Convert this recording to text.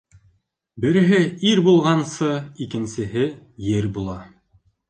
Береһе ир булғансы, икенсеһе ер була.